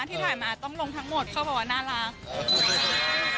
ที่ถ่ายมาต้องลงทั้งหมดเขาบอกว่าน่ารัก